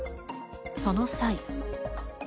その際。